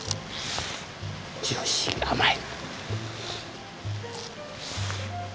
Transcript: ジューシー甘い！